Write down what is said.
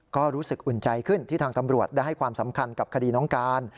ก็รู้สึกอุ่นใจขึ้นที่ทางตำรวจได้ให้ความสำคัญกับคดีน้องการ